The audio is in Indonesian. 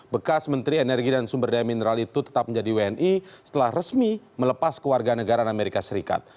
bekas menteri energi dan sumber daya mineral itu tetap menjadi wni setelah resmi melepas kewarganegaraan amerika serikat